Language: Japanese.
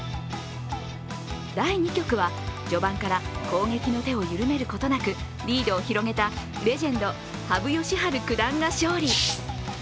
第２局は序盤から攻撃の手を緩めることなくリードを広げたレジェンド・羽生善治九段が勝利。